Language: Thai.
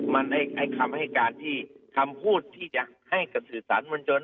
มันให้คำพูดที่จะให้กับสื่อสารมนต์จน